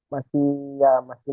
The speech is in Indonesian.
masih ya masih